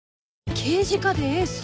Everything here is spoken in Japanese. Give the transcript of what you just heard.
刑事課でエース？